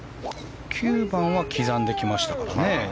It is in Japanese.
９番は刻んできましたね。